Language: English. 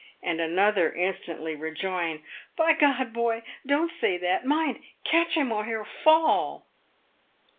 and another instantly rejoin, " By Gr — d, boy, don't say that! — mind, catch him, or he'll fall!"